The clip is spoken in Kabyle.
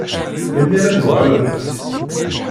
Melmi ara d-uɣalent?